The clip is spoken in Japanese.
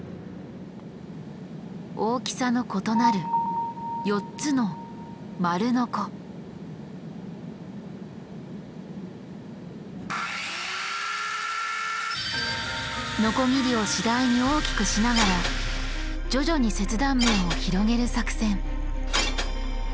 大きさの異なる４つののこぎりを次第に大きくしながら徐々に切断面を広げる作戦。